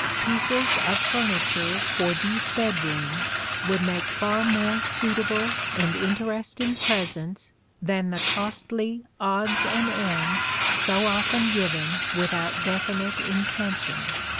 Pieces of furniture for these bedrooms would make far more suitable and interesting presents than the costly odds and ends so often given without definite intention.